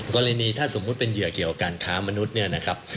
กรณีนี้ถ้าสมมุติเป็นเหยื่อการค้ามนุษย์เนี่ยนะครับ